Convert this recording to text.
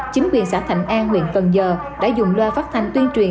chính quyền xã thạnh an huyện cần giờ đã dùng loa phát thanh tuyên truyền